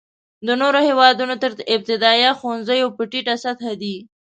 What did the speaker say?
د نورو هېوادونو تر ابتدایه ښوونځیو په ټیټه سطحه دی.